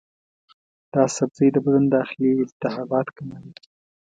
دا سبزی د بدن داخلي التهابات کموي.